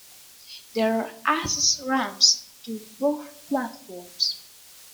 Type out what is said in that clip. There are access ramps to both platforms.